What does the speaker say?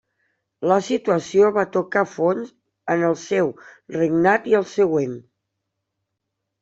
La situació va tocar fons en el seu regnat i el següent.